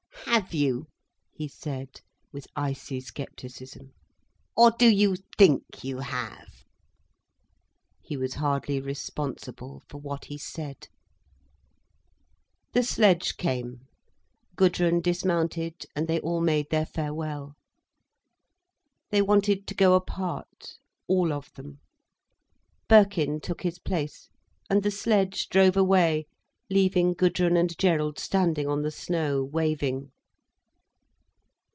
"Have you?" he said, with icy scepticism. "Or do you think you have?" He was hardly responsible for what he said. The sledge came. Gudrun dismounted and they all made their farewell. They wanted to go apart, all of them. Birkin took his place, and the sledge drove away leaving Gudrun and Gerald standing on the snow, waving.